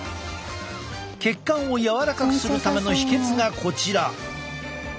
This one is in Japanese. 血管を柔らかくするための秘けつがこちら。